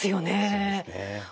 そうですね。